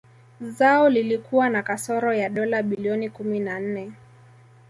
Zao lilikuwa na kasoro ya dola bilioni kumi na nne